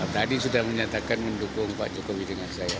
tadi sudah menyatakan mendukung pak jokowi dengan saya